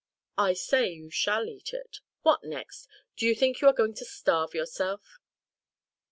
"I say you shall eat it. What next? Do you think you are going to starve yourself?"